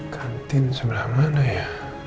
kantin sebelah mana ya